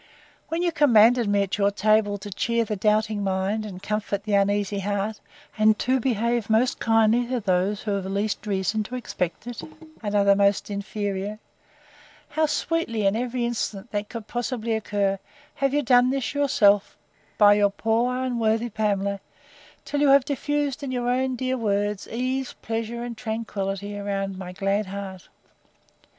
When you commanded me, at your table to cheer the doubting mind and comfort the uneasy heart, and to behave most kindly to those who have least reason to expect it, and are most inferior; how sweetly, in every instance that could possibly occur, have you done this yourself by your poor, unworthy Pamela, till you have diffused, in your own dear words, ease, pleasure, and tranquillity, around my glad heart!